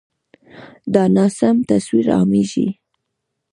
دا ناسم تصویر عامېږي.